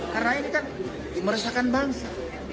karena ini kan meresahkan bangsa